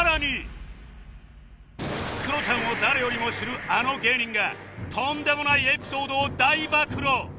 クロちゃんを誰よりも知るあの芸人がとんでもないエピソードを大暴露！